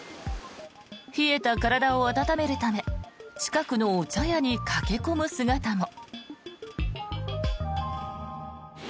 冷えた体を温めるため近くのお茶屋に駆け込む姿も。